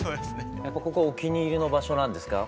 ここはお気に入りの場所なんですか？